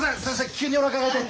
急におなかが痛いって。